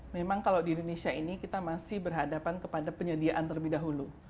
memang kalau di indonesia ini kita masih berhadapan kepada penyediaan terlebih dahulu